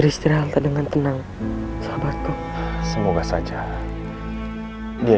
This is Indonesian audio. aku tidak akan lupakan kamu ketul